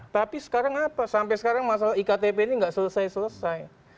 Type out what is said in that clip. tapi sekarang apa sampai sekarang masalah iktp ini nggak selesai selesai